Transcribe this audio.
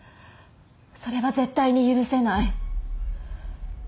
それは絶対に許せない！